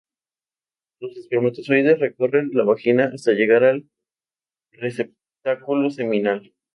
Los espermatozoides recorren la vagina hasta llegar al receptáculo seminal.